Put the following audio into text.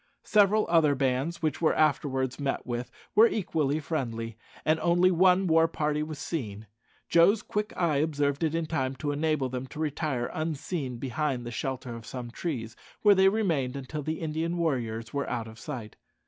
Several other bands which were afterwards met with were equally friendly, and only one war party was seen. Joe's quick eye observed it in time to enable them to retire unseen behind the shelter of some trees, where they remained until the Indian warriors were out of sight.